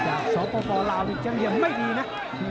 จากโสโปรลาวิทยังยังไม่ดีนะ